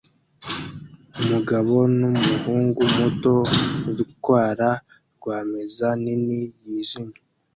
Umugabo numuhungu muto utwara RWAMEZA nini yijimye